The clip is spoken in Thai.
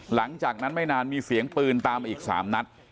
หลังจากนั้นไม่นานมีเสียงปืนตามมาอีก๓นัด